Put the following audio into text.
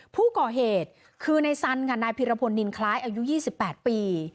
ผู้ก่อเหตุคือในสันค่ะนายพิรพลนินคล้ายอายุ๒๘ปี